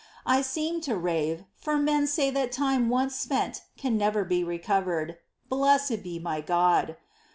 I seem to rave, for men say that time once spent can never be recovered. Blessed be my God